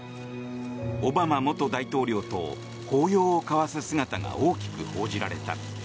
オバマ元大統領と抱擁を交わす姿が大きく報じられた。